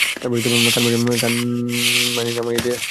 কানমাণি নামিয়ে দিয়ে আসছি।